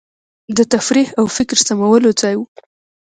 د تفریح او فکر سمولو ځای وو.